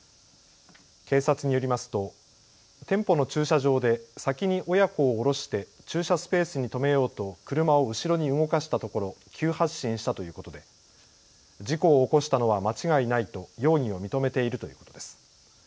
警察によりますと店舗の駐車場で先に親子を降ろして駐車スペースに止めようと車を後ろに動かしたところ急発進したということで、事故を起こしたのは間違いないと容疑を認めているということです。